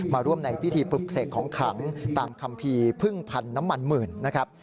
มาร่วมในพิธีปลุกเสกของขังตามคัมภีร์พึ่งพันธุ์น้ำมันหมื่นนะครับ